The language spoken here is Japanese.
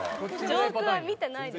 上空は見てないです。